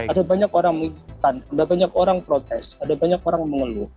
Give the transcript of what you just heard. ada banyak orang mengikutkan ada banyak orang protes ada banyak orang mengeluh